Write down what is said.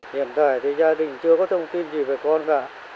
hiện tại thì gia đình chưa có thông tin gì về con cả